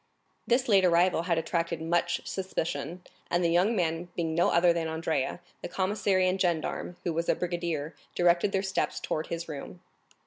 This late arrival had attracted much suspicion, and the young man being no other than Andrea, the commissary and gendarme, who was a brigadier, directed their steps towards his room.